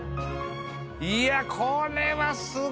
いやこれはすごいわ。